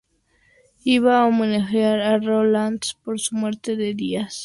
Iba a homenajear a Roland por su muerte un día antes.